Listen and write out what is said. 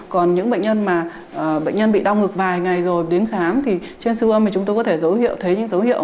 còn những bệnh nhân bị đau ngược vài ngày rồi đến khám thì trên siêu ôm thì chúng ta có thể thấy những dấu hiệu